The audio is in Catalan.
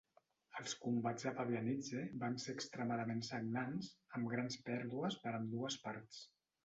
Els combats a Pabianice van ser extremadament sagnants, amb grans pèrdues per ambdues parts.